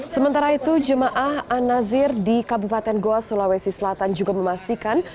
sementara itu jemaah an nazir di kabupaten goa sulawesi selatan juga memastikan